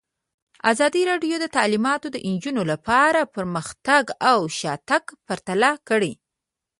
ازادي راډیو د تعلیمات د نجونو لپاره پرمختګ او شاتګ پرتله کړی.